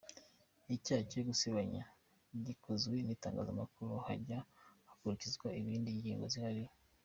Icyaha cyo gusebanya gikozwe n’itangazamakuru hajya hakurikizwa izindi ngingo zihariye.